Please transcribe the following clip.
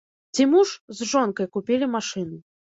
Ці муж з жонкай купілі машыну.